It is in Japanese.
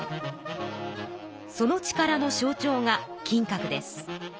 その力の象ちょうが金閣です。